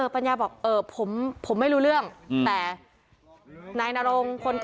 ปัญญาบอกผมไม่รู้เรื่อง